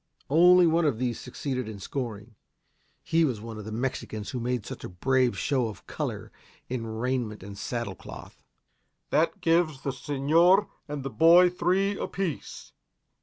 Only one of these succeeded in scoring. He was one of the Mexicans who made such a brave show of color in raiment and saddle cloth. "That gives the señor and the boy three apiece.